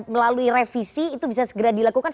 melalui revisi itu bisa segera dilakukan